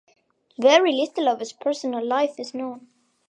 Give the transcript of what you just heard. Very little of his personal life is known.